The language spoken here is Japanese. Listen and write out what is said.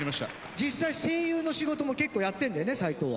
実際声優の仕事も結構やってんだよね斉藤は。